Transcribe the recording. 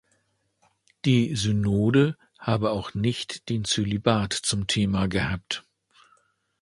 Die Synode habe auch nicht den Zölibat zum Thema gehabt.